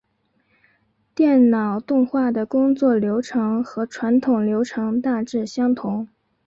电脑动画的工作流程和传统流程大致相同。